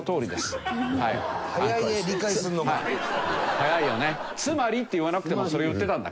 早いよね。